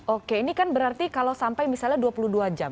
oke ini kan berarti kalau sampai misalnya dua puluh dua jam